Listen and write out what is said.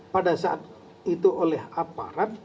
pada saat itu oleh aparat